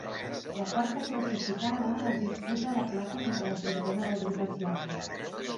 La quarta classificada es disputà la plaça contra la cinquena del grup asiàtic.